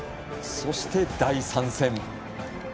そして、第３戦。